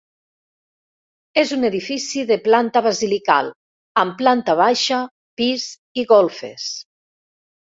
És un edifici de planta basilical amb planta baixa, pis i golfes.